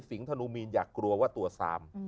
ธนูมีนอย่ากลัวว่าตัวซาม